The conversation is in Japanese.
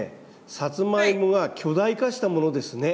サツマイモが巨大化したものですね。